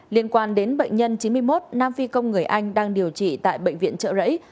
liên quan đến bệnh nhân chín mươi một nam phi công người anh đang điều trị tại bệnh viện trợ rẫy